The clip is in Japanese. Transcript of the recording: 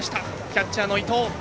キャッチャーの伊藤。